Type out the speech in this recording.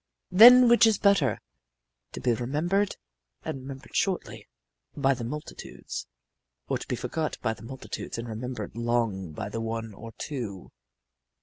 "Then which is better, to be remembered, and remembered shortly, by the multitudes; or to be forgot by the multitudes and remembered long by the one or two?"